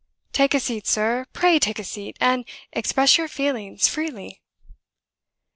Take a seat, sir, pray take a seat, and express your feelings freely."